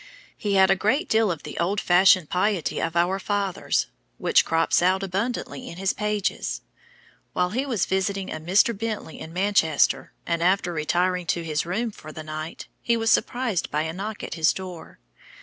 He had a great deal of the old fashioned piety of our fathers, which crops out abundantly in his pages. While he was visiting a Mr. Bently in Manchester, and after retiring to his room for the night, he was surprised by a knock at his door.